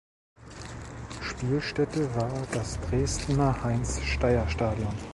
Spielstätte war das Dresdner Heinz-Steyer-Stadion.